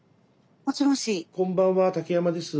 こんばんは竹山です。